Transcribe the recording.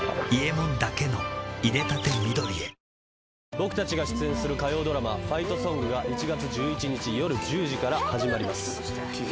僕たちが出演する火曜ドラマ「ファイトソング」が１月１１日夜１０時から始まります。